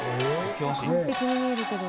完璧に見えるけど。